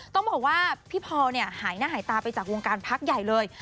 ต้องบอกว่าพี่พอหายหน้าหายตาไปจากวงการพักใหญ่เลย